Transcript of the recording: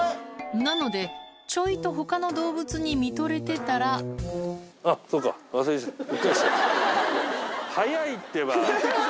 なのでちょいと他の動物に見とれてたらうっかりしちゃった。